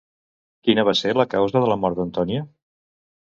Quina va ser la causa de la mort d'Antònia?